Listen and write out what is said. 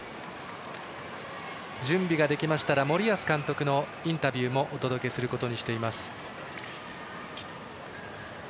準備ができましたら森保監督のインタビューもお届けすることにします。